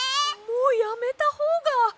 もうやめたほうが。